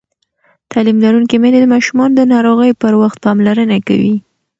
تعلیم لرونکې میندې د ماشومانو د ناروغۍ پر وخت پاملرنه کوي.